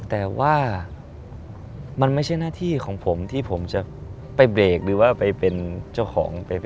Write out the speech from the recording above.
แต่ว่ามันไม่ใช่หน้าที่ของผมที่ผมจะไปเบรกหรือว่าไปเป็นเจ้าของ